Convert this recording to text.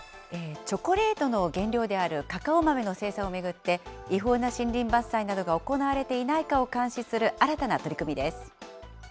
チョコレートの原料であるカカオ豆の生産を巡って、違法な森林伐採などが行われていないかを監視する新たな取り組みです。